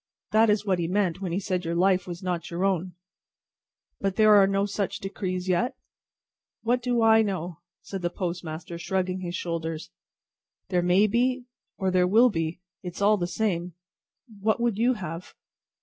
That is what he meant when he said your life was not your own." "But there are no such decrees yet?" "What do I know!" said the postmaster, shrugging his shoulders; "there may be, or there will be. It is all the same. What would you have?"